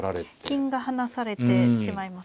金が離されてしまいますね。